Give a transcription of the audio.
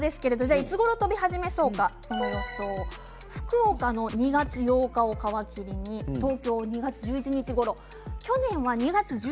いつごろ飛び始めそうかという予想なんですが福岡の２月８日を皮切りに東京は２月１１日ごろです。